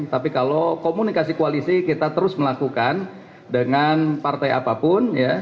tapi kalau komunikasi koalisi kita terus melakukan dengan partai apapun ya